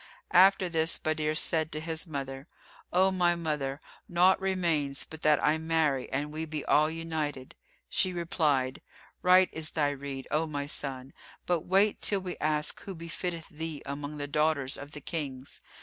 After this Badr said to his mother, "O my mother, naught remains but that I marry and we be all united." She replied, "Right is thy rede, O my son, but wait till we ask who befitteth thee among the daughters of the Kings."